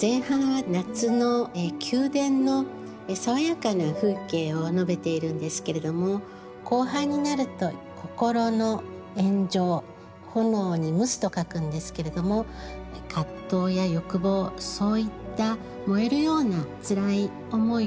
前半は夏の宮殿の爽やかな風景を述べているんですけれども後半になると心の炎蒸炎に蒸すと書くんですけれども葛藤や欲望そういった燃えるようなつらい思い